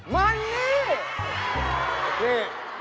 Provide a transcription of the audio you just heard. มันนี่